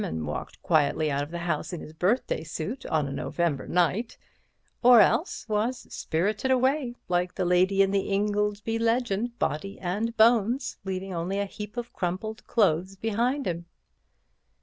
and walked quietly out of the house in his birthday suit on a November night, or else was spirited away like the lady in the 'Ingoldsby Legends,' body and bones, leaving only a heap of crumpled clothes behind him."